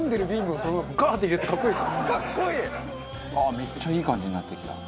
めっちゃいい感じになってきた。